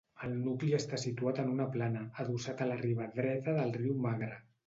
El nucli està situat en una plana, adossat a la riba dreta del riu Magre.